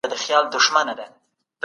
بازارونه د خلکو د ګڼې ګوڼې ډک دي.